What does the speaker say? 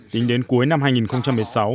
tính đến cuối năm hai nghìn một mươi sáu